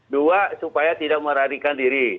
dua supaya tidak merarikan diri